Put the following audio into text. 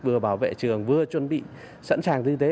vừa bảo vệ trường vừa chuẩn bị sẵn sàng như thế